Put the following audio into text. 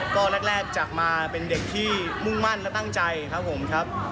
ก็แรกจากมาเป็นเด็กที่มุ่งมั่นและตั้งใจครับผมครับ